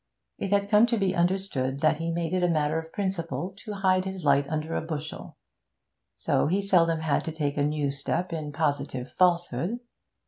It had come to be understood that he made it a matter of principle to hide his light under a bushel, so he seldom had to take a new step in positive falsehood.